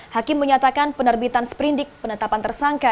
hakim menyatakan penerbitan sprindik penetapan tersangka